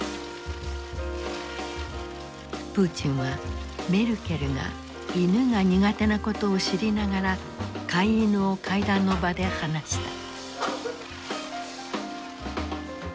プーチンはメルケルが犬が苦手なことを知りながら飼い犬を会談の場で放した。